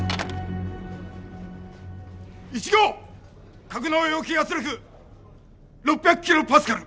１号格納容器圧力６００キロパスカル。